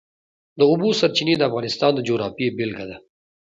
د اوبو سرچینې د افغانستان د جغرافیې بېلګه ده.